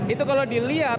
itu kalau dilihat